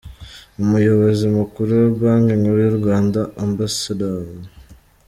Umuyobozi mukuru wa banki nkuru y’u Rwanda Amb.